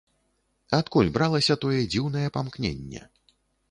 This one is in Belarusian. Адкуль бралася тое дзіўнае памкненне?